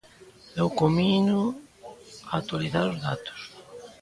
Eu comínoo a actualizar os datos.